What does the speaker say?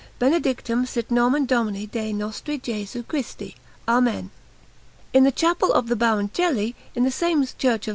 BENEDICTUM SIT NOMEN DOMINI DEI NOSTRI JESU CHRISTI. AMEN. In the Chapel of the Baroncelli, in the same Church of S.